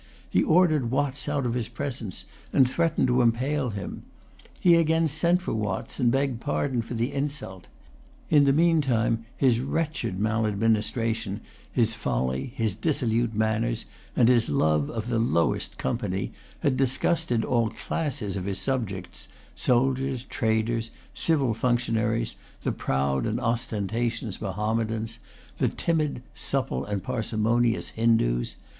He ordered Watts out of his presence, and threatened to impale him. He again sent for Watts, and begged pardon for the insult. In the meantime, his wretched maladministration, his folly, his dissolute manners, and his love of the lowest company, had disgusted all classes of his subjects, soldiers, traders, civil functionaries, the proud and ostentatious Mahommedans, the timid, supple, and parsimonious Hindoos.